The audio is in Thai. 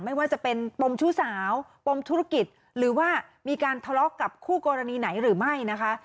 ไม่ว่าจะเป็นปมชู้สาวปมธุรกิจหรือว่ามีการทะเลาะกับคู่กรณีไหนหรือไม่นะคะ